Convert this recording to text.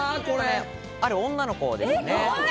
ある女の子ですね。